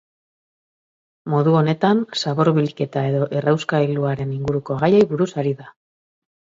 Modu honetan, zabor-bilketa edo errauskailuaren inguruko gaiei buruz ari da.